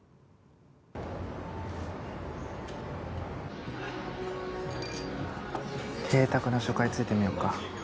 ピッＫ卓の初回ついてみよっか。